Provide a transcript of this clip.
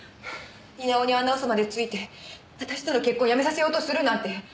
稲尾にあんな嘘までついて私との結婚やめさせようとするなんて！